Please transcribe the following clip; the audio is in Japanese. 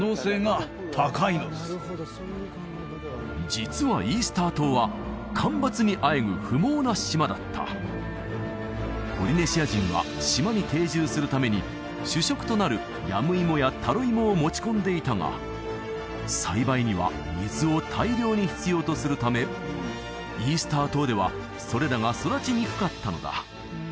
実はイースター島は干ばつにあえぐ不毛な島だったポリネシア人は島に定住するために主食となるヤムイモやタロイモを持ち込んでいたが栽培には水を大量に必要とするためイースター島ではそれらが育ちにくかったのだ